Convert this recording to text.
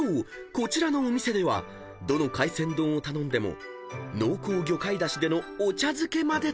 こちらのお店ではどの海鮮丼を頼んでも濃厚魚介出汁でのお茶漬けまで楽しめる］